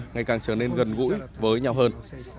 ngày càng trở nên gần gũi với nhau hơn